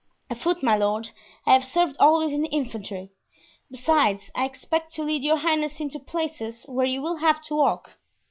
"Afoot, my lord; I have served always in the infantry. Besides, I expect to lead your highness into places where you will have to walk."